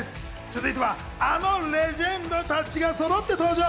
続いては、あのレジェンドたちがそろって登場。